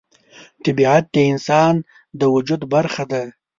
طبیعت د انسان د وجود برخه ده.